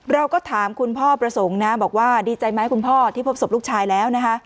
เราก็ถามคุณพ่อประสงค์นะบอกว่าดีใจไหมคุณพ่อที่พบศพลูกชายแล้วนะคะ